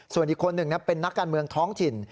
ส่วนอีกคนหนึ่งเป็นนักการเมืองท้องถิ่น